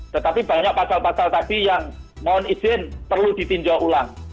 tetapi banyak pasal pasal tadi yang mohon izin perlu ditinjau ulang